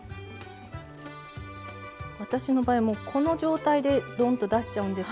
私の場合はもうこの状態でドンと出しちゃうんですけど。